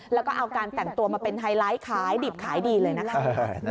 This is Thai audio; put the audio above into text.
แล้วก็เอาการแต่งตัวมาเป็นไฮไลท์ขายดิบขายดีเลยนะคะ